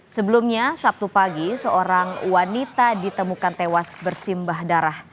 sebelumnya sabtu pagi seorang wanita ditemukan tewas bersimbah darah